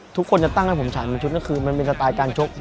ทุกคนจะตั้งให้ผมฉายหนึ่งชุดนี่เป็นสไตล์การชก